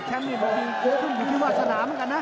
แชมป์นี้มันมีเกียรติภูมิอยู่ที่วาสนาเหมือนกันนะ